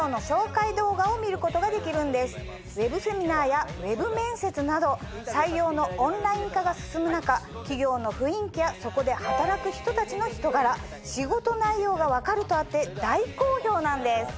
ＷｅｂセミナーやＷｅｂ面接など採用のオンライン化が進む中企業の雰囲気やそこで働く人たちの人柄仕事内容が分かるとあって大好評なんです。